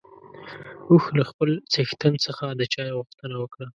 اوښ له خپل څښتن څخه د چای غوښتنه وکړه.